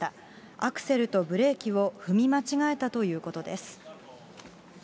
アクセルとブレーキを踏み間違えたということです。